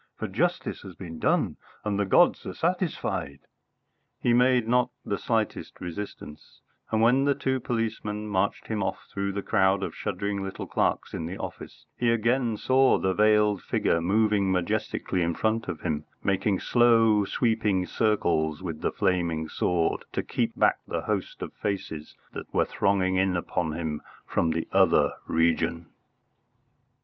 For justice has been done and the gods are satisfied." He made not the slightest resistance, and when the two policemen marched him off through the crowd of shuddering little clerks in the office, he again saw the veiled figure moving majestically in front of him, making slow sweeping circles with the flaming sword, to keep back the host of faces that were thronging in upon him from the Other Region.